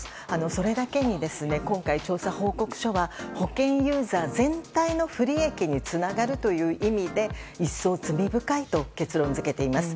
それだけに今回、調査報告書は保険ユーザー全体の不利益につながるという意味で一層罪深いと結論付けています。